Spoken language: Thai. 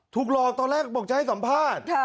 ถูกหลอกตอนแรกบอกจะให้สัมภาษณ์